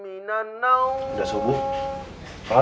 ini kita berada di permainan fernanda